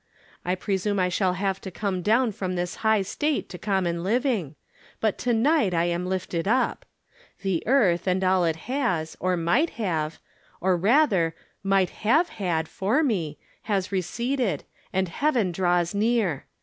I presume I shall have to come down from this high state to common living. But to night I am lifted up. The earth, and all it 258 From Different Standpoints. has, or might have, or, rather, might have had for me, has receded, and heaven draws near.